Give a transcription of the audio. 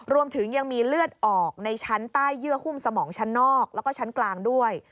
รวมถึงยังมีเลือดออกในชั้นใต้เยื่อหุ้มสมองชั้นนอกแล้วก็ชั้นกลางด้วย